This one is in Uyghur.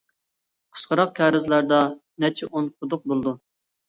قىسقىراق كارىزلاردا نەچچە ئون قۇدۇق بولىدۇ.